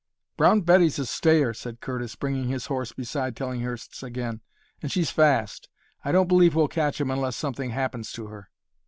"Brown Betty's a stayer," said Curtis, bringing his horse beside Tillinghurst's again, "and she's fast. I don't believe we'll catch him unless something happens to her."